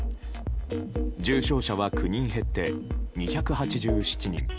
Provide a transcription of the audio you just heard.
重症者は９人減って２８７人。